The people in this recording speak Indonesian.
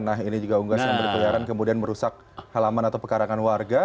nah ini juga unggas yang berkeliaran kemudian merusak halaman atau pekarangan warga